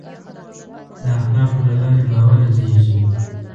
د اخلاقو له لارې باور زېږي.